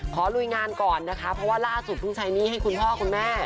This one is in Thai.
ลุยงานก่อนนะคะเพราะว่าล่าสุดเพิ่งใช้หนี้ให้คุณพ่อคุณแม่